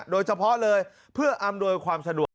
โดยเฉพาะเลยเพื่ออำนวยความสะดวก